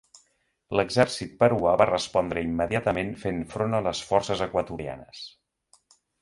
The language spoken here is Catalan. L'exèrcit peruà va respondre immediatament fent front a les forces equatorianes.